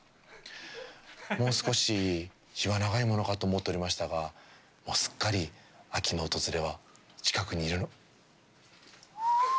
もう少し日は長いものかと思っておりましたがもうすっかり秋の訪れは近くにいるの。